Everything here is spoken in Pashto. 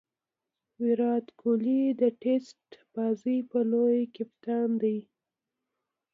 ویرات کهولي د ټېسټ بازي یو لوی کپتان دئ.